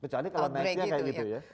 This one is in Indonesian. ya kecuali kalau ada outbreak gitu ya